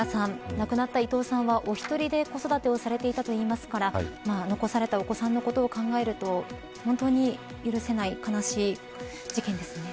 亡くなった伊藤さんはお一人で子育てをされていたといいますから残されたお子さんのことを考えると本当に許せない悲しい事件ですね。